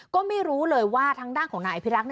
ก็ไม่รู้เลยว่าทางด้านของนายอภิรักษ์